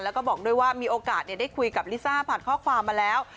แล้วก็บอกด้วยว่ามีโอกาสได้คุยกับลิซ่าผ่านข้อความมาแล้ว